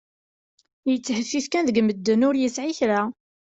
Yettheffif kan deg medden, ur yesɛi kra.